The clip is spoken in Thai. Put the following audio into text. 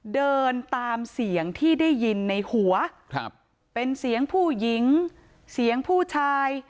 เดินตามเสียงที่ได้ยินในหัวครับเป็นเสียงผู้หญิงเสียงผู้ชาย